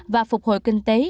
và phục hội kinh tế